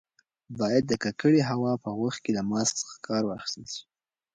باید د ککړې هوا په وخت کې له ماسک څخه کار واخیستل شي.